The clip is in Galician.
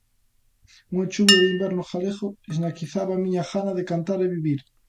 Unha chuvia de inverno galego esnaquizaba a miña gana de cantar e vivir.